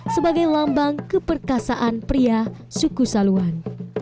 sebagai lambang keperkasaan pria suku saluan